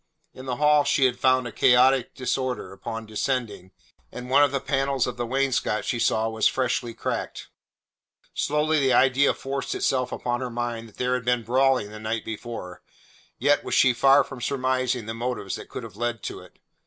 In the hall she had found a chaotic disorder upon descending, and one of the panels of the wainscot she saw was freshly cracked. Slowly the idea forced itself upon her mind that there had been brawling the night before, yet was she far from surmising the motives that could have led to it.